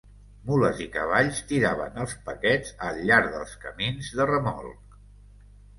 Mules i cavalls tiraven els paquets al llarg dels camins de remolc.